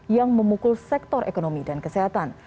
yang memukul sektor ekonomi dan kesehatan